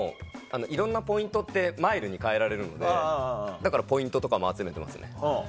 いろんなポイントってマイルに換えられるのでだからポイントとかも集めてますねはい。